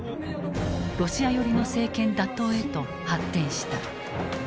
ロシア寄りの政権打倒へと発展した。